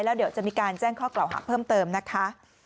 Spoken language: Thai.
แล้วเดี๋ยวจะมีการแจ้งข้อกล่าวหาเพิ่มเติมนะคะ